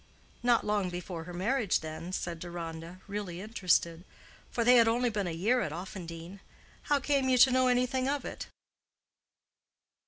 "Not long before her marriage, then?" said Deronda, really interested, "for they had only been a year at Offendene. How came you to know anything of it?"